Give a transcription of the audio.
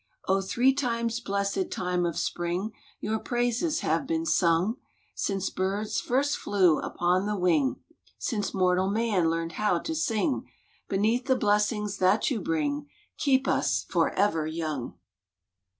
O three times blessed time of Spring, Your praises have been sung Since birds first flew upon the wing, Since mortal man learned how to sing, Because the blessings that you bring Keep us forever young!